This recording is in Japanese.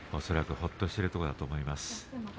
恐らく、ほっとしているところだと思います。